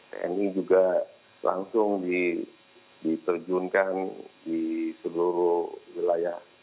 tni juga langsung diterjunkan di seluruh wilayah